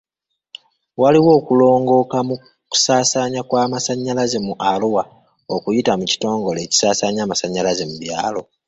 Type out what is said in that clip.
Waliwo okulongooka mu kusaasaanya kw'amasanyalaze mu Arua okuyita mu kitongore ekisasanya amasanyalaze mu byalo.